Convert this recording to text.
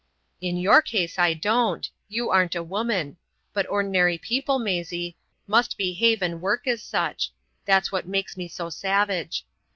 "In your case I don't. You aren't a woman. But ordinary people, Maisie, must behave and work as such. That's what makes me so savage."